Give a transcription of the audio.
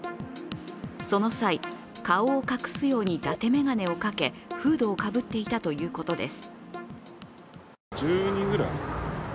その際、顔を隠すようにだて眼鏡をかけフードをかぶっていたということです。